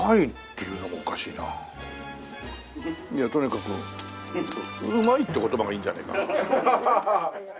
いやとにかくうまいって言葉がいいんじゃねえかな。